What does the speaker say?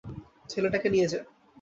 ছেলেটাকে নিয়ে যা।